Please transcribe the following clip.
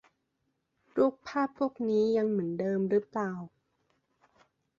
รูปภาพพวกนี้ยังเหมือนเดิมหรือเปล่า